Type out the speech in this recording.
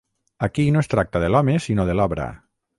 Aquí no es tracta de l'home, sinó de l'obra